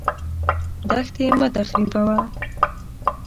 دښتې مه تخریبوه.